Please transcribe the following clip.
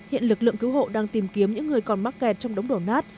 hiện lực lượng cứu hộ đang tìm kiếm những người còn mắc kẹt trong đống đổ nát